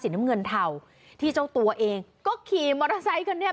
น้ำเงินเทาที่เจ้าตัวเองก็ขี่มอเตอร์ไซคันนี้